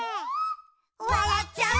「わらっちゃう」